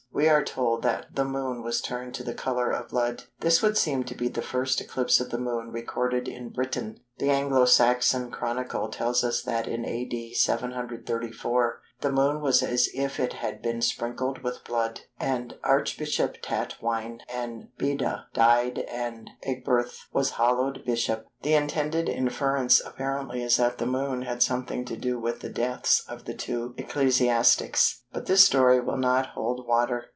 We are told that "the Moon was turned to the colour of blood." This would seem to be the first eclipse of the Moon recorded in Britain. The Anglo Saxon Chronicle tells us that in A.D. 734 "the Moon was as if it had been sprinkled with blood, and Archbishop Tatwine and Beda died and Ecgberht was hallowed bishop." The intended inference apparently is that the Moon had something to do with the deaths of the two ecclesiastics, but this theory will not hold water.